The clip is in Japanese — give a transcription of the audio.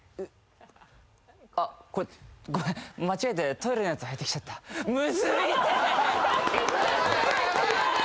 あっこれごめん間違えてトイレのやつ履いてきちゃったムズい！